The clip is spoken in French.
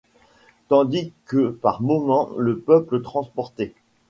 Tandis que par moments le peuple transporté